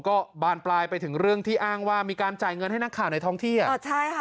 ก็บานปลายไปถึงเรื่องที่อ้างว่ามีการจ่ายเงินให้นักข่าวในท้องที่อ่ะเออใช่ค่ะ